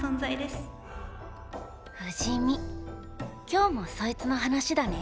今日もそいつの話だね。